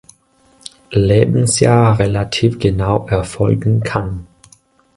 Lebensjahr relativ genau erfolgen kann.